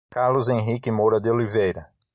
Carlos Henrique Moura de Oliveira